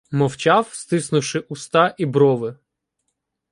Мовчав, стиснувши уста і брови.